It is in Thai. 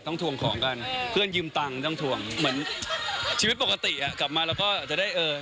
ทวงของกันเพื่อนยืมตังค์ต้องทวงเหมือนชีวิตปกติอ่ะกลับมาแล้วก็จะได้เออ